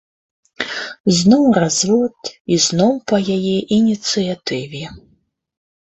Зноў развод, і зноў па яе ініцыятыве.